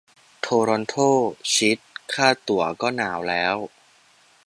โทรอนโท ชิต ค่าตั๋วก็หนาวแล้ว